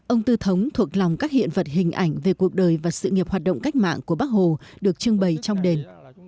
ông tư thống thuộc lòng các hiện vật hình ảnh về cuộc đời và sự nghiệp hoạt động cách mạng của bác hồ được trưng bày trong đền